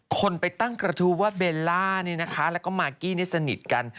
คนไปตั้งกระทู้ว่าเบลล่าเนี่ยนะคะแล้วก็มากกี้นี่สนิทกัน